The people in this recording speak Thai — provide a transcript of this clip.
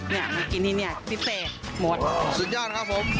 มากินที่นี่พิเศษหมดสุดยอดครับผม